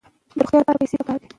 د روغتیا لپاره پیسې پکار دي.